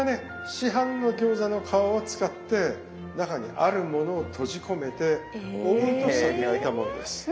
市販の餃子の皮を使って中にあるものを閉じ込めてオーブントースターで焼いたものです。